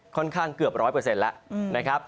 ค่อนข้างเกือบ๑๐๐แล้ว